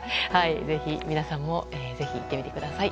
ぜひ皆さんも行ってみてください。